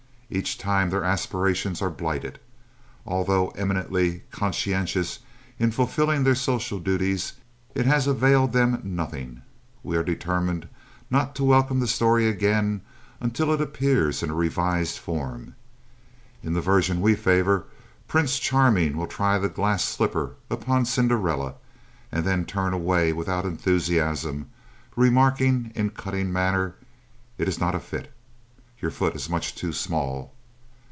Each time their aspirations are blighted. Although eminently conscientious in fulfilling their social duties, it has availed them nothing. We are determined not to welcome the story again until it appears in a revised form. In the version which we favor, Prince Charming will try the glass slipper upon Cinderella, and then turn away without enthusiasm, remarking in cutting manner, "It is not a fit. Your foot is much too small."